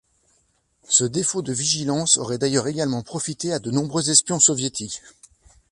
Ce défaut de vigilance aurait d'ailleurs également profité à de nombreux espions soviétiques.